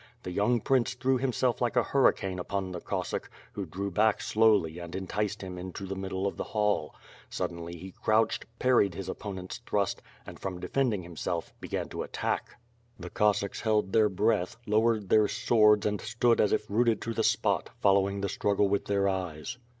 The young prince threw himself like a hurricane upon the Cossack, who drew back slowly and enticed him into the middle of the hall. Suddenly, he crouched, parried his opponent's thrust, and, from defending himself began to attack. WITH FlliE AA7) .SWORD. 229 The Cossacks held their breath, lowered their swords and stood as if rooted to the spot, following the struggle with their eyes.